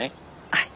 はい。